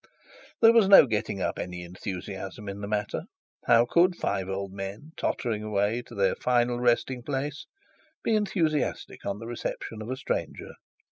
There was no getting any enthusiasm in the matter. How could five old men tottering away to their final resting place be enthusiastic on the reception of a stranger?